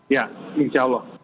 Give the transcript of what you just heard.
ya insya allah